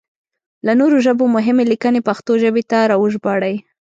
له نورو ژبو مهمې ليکنې پښتو ژبې ته راوژباړئ!